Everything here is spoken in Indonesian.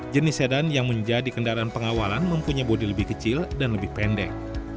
jenis sedan yang menjadi kendaraan pengawalan mempunyai bodi lebih kecil dan lebih pendek